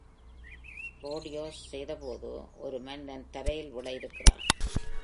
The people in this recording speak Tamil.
ரோடியோஸ் செய்த போது ஒரு மனிதன் தரையில் விழ இருக்கிறான்.